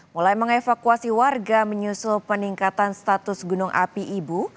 mulai mengevakuasi warga menyusul peningkatan status gunung api ibu